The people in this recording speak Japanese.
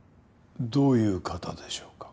どういう方でしょうか？